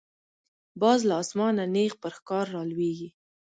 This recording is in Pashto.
باز له آسمانه نیغ پر ښکار را لویږي